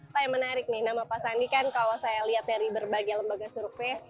pak yang menarik nih nama pak sandi kan kalau saya lihat dari berbagai lembaga survei